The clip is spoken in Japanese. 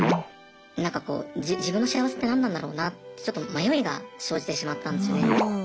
なんかこう自分の幸せって何なんだろうなってちょっと迷いが生じてしまったんですよね。